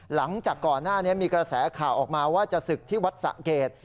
หลังจากก่อนหน้านี้มีกระแสข่าวออกมาว่าจะศึกที่วัดสะเกด